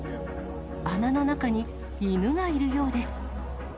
穴の中に犬がいるようです。